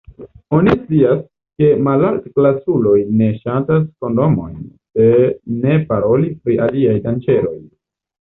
Oni scias, ke malaltklasuloj ne ŝatas kondomojn, se ne paroli pri aliaj danĝeroj.